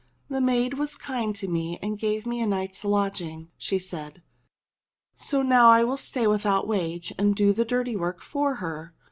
"The maid was kind to me and gave me a night's lodging," she said. " So now I will stay without wage and do the dirty work for her."